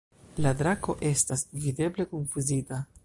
La drako estas videble konfuzita.